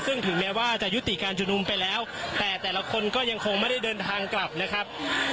ซึ่งถึงแม้ว่าจะยุติการชุมนุมไปแล้วแต่แต่ละคนก็ยังคงไม่ได้เดินทางกลับนะครับ